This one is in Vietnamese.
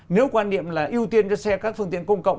nếu quan niệm là ưu tiên cho xe các phương tiện công cộng